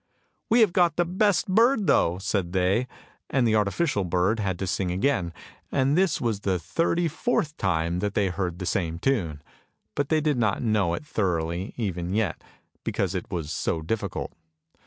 " We have got the best bird though," said they, and then the artificial bird had to sing again, and this was the thirty fourth time that they heard the same tune, but they did not know it thoroughly even yet, because it was so difficult.